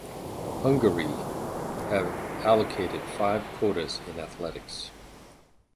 Hungary have allocated five quotas in athletics.